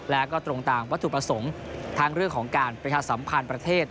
และก็ตรงตามวัตถุประสงค์ทั้งเรื่องของการประชาสัมพันธ์ประเทศ